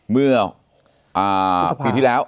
เมื่อปีที่แล้ว